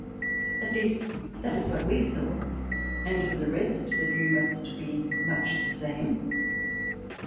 At least, that is what we saw, and for the rest the view must have been much the same.